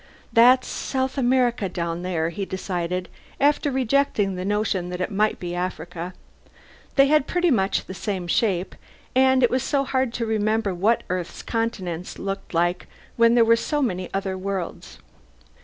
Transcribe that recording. That's South America down there, he decided, after rejecting the notion that it might be Africa. They had pretty much the same shape, and it was so hard to remember what Earth's continents looked like when there were so many other worlds.